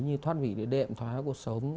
như thoát vị địa điệm thoát khớp cuộc sống